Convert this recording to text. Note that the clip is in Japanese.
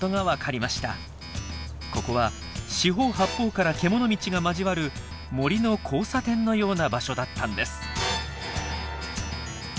ここは四方八方から獣道が交わる森の交差点のような場所だったんです。